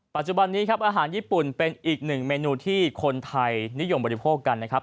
ปัจจุบันนี้ครับอาหารญี่ปุ่นเป็นอีกหนึ่งเมนูที่คนไทยนิยมบริโภคกันนะครับ